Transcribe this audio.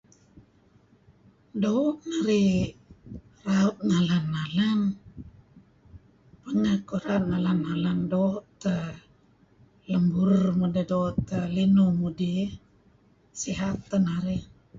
Doo' narih raut nalan-nalan pangeh iko nalan-nalan doo' teh lem burur mudih, doo' teh linuh mudih sihat teh narih.